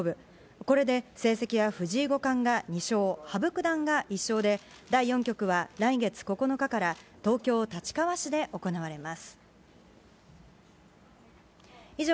これで成績は藤井五冠が２勝、羽生九段が１勝で、第４局は来月９日から東京・立川市で行われます。